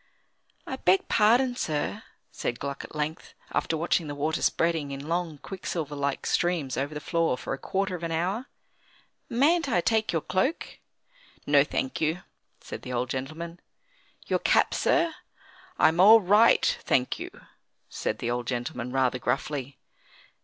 "I beg pardon, sir," said Gluck at length, after watching the water spreading in long quicksilver like streams over the floor for a quarter of an hour; "mayn't I take your cloak?" "No, thank you," said the old gentleman. "Your cap, sir?" "I am all right, thank you," said the old gentleman, rather gruffly.